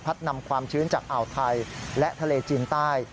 นำความชื้นจากอ่าวไทยและทะเลจีนใต้